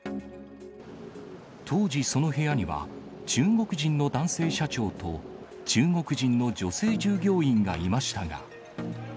当時、その部屋には中国人の男性社長と、中国人の女性従業員がいましたが。